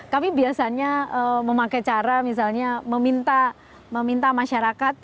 kami biasanya memakai cara misalnya meminta masyarakat